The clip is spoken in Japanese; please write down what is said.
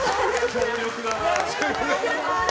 強力だな。